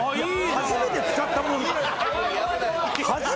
初めて使ったもの？